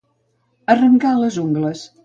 Arrencar les ungles.